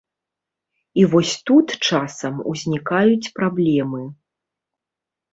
І вось тут часам узнікаюць праблемы.